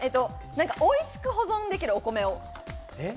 おいしく保存できる、お米を。